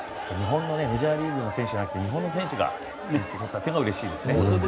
メジャーリーグの選手じゃなくて日本の選手が打ったのがうれしいですよね。